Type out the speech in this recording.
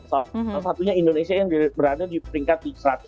satunya indonesia yang berada di peringkat satu ratus lima puluh satu